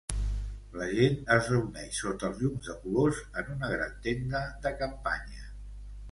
La gent es reuneix sota els llums de colors en una gran tenda de campanya.